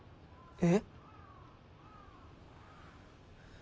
え？